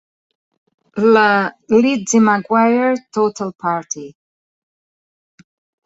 La "Lizzie McGuire Total Party!"